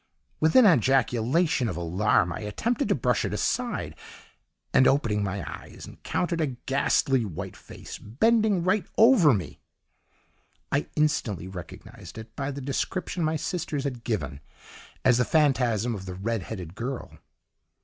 "With an ejaculation of alarm I attempted to brush it aside, and opening my eyes, encountered a ghastly white face bending right over me. "I instantly recognised it, by the description my sisters had given, as the phantasm of the red headed girl.